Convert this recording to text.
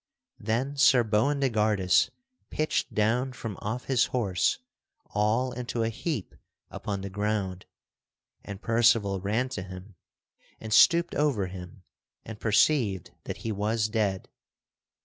Then Sir Boindegardus pitched down from off his horse all into a heap upon the ground, and Percival ran to him and stooped over him and perceived that he was dead.